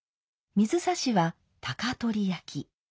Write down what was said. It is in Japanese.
水指は高取焼。